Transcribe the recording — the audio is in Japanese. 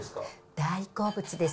大好物です。